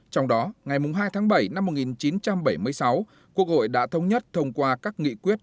trong đó ngày hai tháng bảy năm một nghìn chín trăm bảy mươi sáu quốc hội đã thống nhất thông qua các nghị quyết